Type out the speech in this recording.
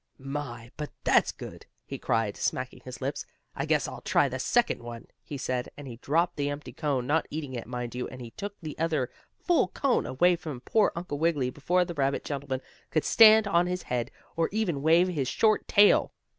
"My but that's good!" he cried, smacking his lips. "I guess I'll try the second one," he said, and he dropped the empty cone, not eating it, mind you, and he took the other full cone away from poor Uncle Wiggily before the rabbit gentleman could stand on his head, or even wave his short tail.